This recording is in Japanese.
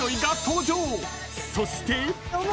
［そして］